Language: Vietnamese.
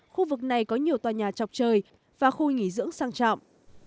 khu vực này có nhiều tòa nhà chọc trời và khu nghỉ dưỡng sang trọng